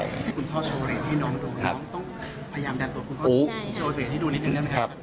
คุณพ่อโชว์อะไรให้น้องดูน้องต้องพยายามดันตัวคุณพ่อโชว์เปรตให้ดูนิดหนึ่งนะครับ